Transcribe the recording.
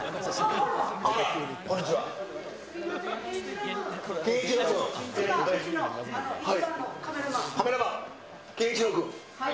はい。